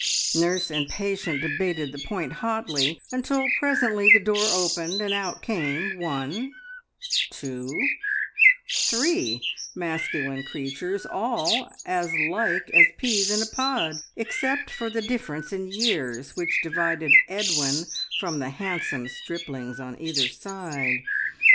Nurse and patient debated the point hotly, until presently the door opened and out came one, two, three masculine creatures, all as like as peas in a pod, except for the difference in years which divided Edwin from the handsome striplings on either side.